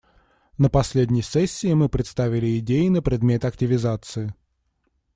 На последней сессии мы представили идеи на предмет активизации.